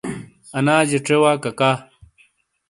اناجے ژے واکاکا۔